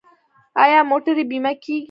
آیا موټرې بیمه کیږي؟